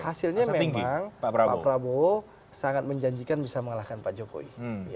hasilnya memang pak prabowo sangat menjanjikan bisa mengalahkan pak jokowi